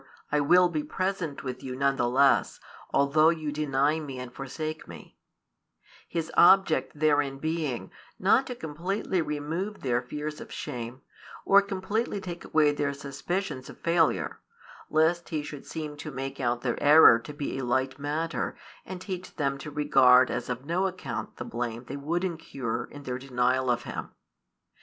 "I will be present with you none the less, although you deny Me and forsake Me;" His object therein being, not to completely remove their fears of shame, or completely take away their suspicions of failure, lest He should seem to make out their error to be a light matter and teach them to regard as of no account the blame they would incur in their denial of Him.